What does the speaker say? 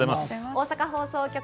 大阪放送局